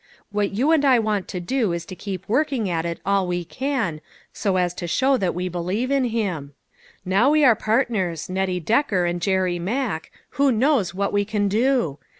What you and I want to do is to keep working at it all we can, so as to show that we believe in him." 84 LITTLE FISHERS : AND THEIR NETS. " Now we are partners Nettie Decker and Jerry Mack, who knows what we can do